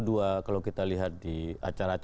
ada persekusi terhadap media tersebut